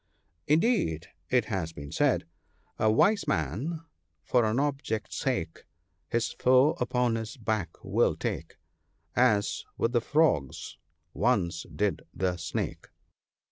Indeed, it has been said, —" A wise man for an object's sake His foe upon his back will take, As with the Frogs once did the Snake."